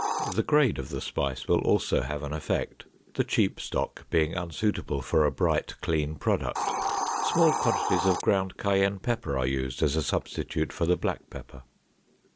The grade of the spice will also have an effect, the cheap stock being unsuitable for a bright clean product. Small quantities of ground cayenne pepper are used as a substitute for the black pepper.